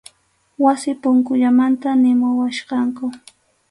Wasi punkullamanta nimuwachkanku.